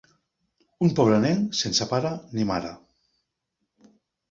Un pobre nen sense pare ni mare.